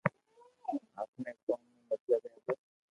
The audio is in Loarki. آپ ني ڪوم ميون مطلب ھي بس